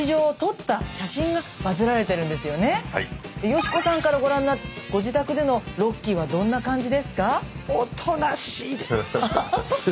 佳子さんからご覧になったご自宅でのロッキーはどんな感じですか？